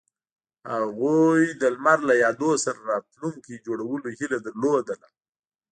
هغوی د لمر له یادونو سره راتلونکی جوړولو هیله لرله.